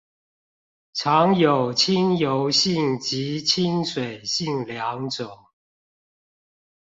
常有親油性及親水性兩種